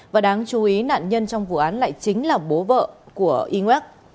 và đáng chú ý nạn nhân trong vụ án lại chính là bố vợ của iwak